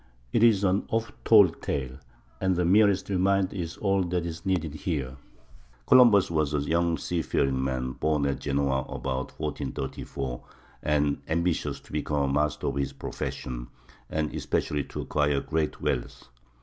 It is an "oft told tale," and the merest reminder is all that is needed here. Columbus was a young seafaring man, born at Genoa about 1434, and ambitious to become a master of his profession, and especially to acquire great wealth.